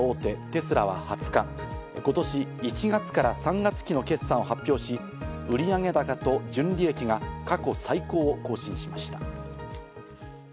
テスラは２０日、今年１月から３月期の決算を発表し、売上高と純利益が過去最高を更新しました。